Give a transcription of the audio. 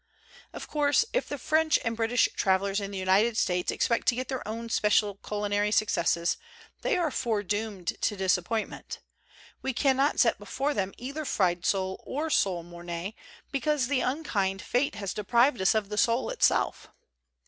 Of course, if the French and British travelers in the United States expect to get their own special culinary successes, they are foredoomed to disappointment We cannot set before them either fried sole or sole Mornay, because unkind fate has deprived us of the sole itself.